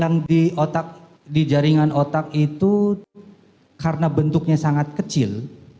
yang di otak di jaringan otak itu karena bentuknya sangat kecil